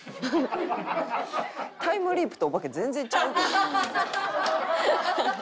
タイムリープとお化け全然ちゃうけどな。